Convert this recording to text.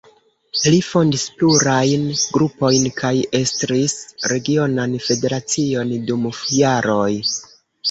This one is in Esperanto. Li fondis plurajn grupojn kaj estris regionan federacion dum jaroj.